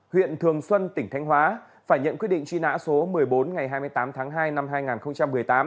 huyện thường xuân tỉnh thanh hóa phải nhận quyết định truy nã số một mươi bốn ngày hai mươi tám tháng hai năm hai nghìn một mươi tám